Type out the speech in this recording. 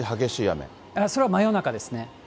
それは真夜中ですね。